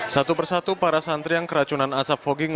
satu persatu para santri yang keracunan asap fogging